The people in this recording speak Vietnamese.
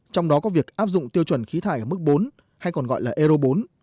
trong đó có việc áp dụng tiêu chuẩn khí thải ở mức bốn hay còn gọi là euro bốn